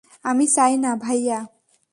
আমি চাই না, ভাইয়া।